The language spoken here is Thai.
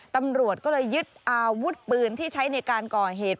ตำรวจก็เลยยึดอาวุธปืนที่ใช้ในการก่อเหตุ